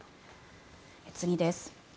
次です。